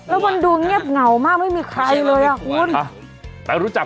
แล้วมันดูเงียบเหงามากไม่มีใครเลยอ่ะคุณรู้จัก